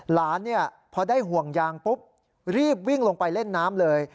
หลานพอได้ห่วงยางปุ๊บรีบวิ่งลงไปเล่นน้ำเลย